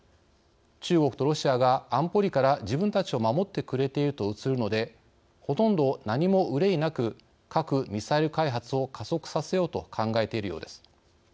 中国とロシアが安保理から自分たちを守ってくれていると映るのでほとんど何も憂いなく核・ミサイル開発を加速させようと考えているようです。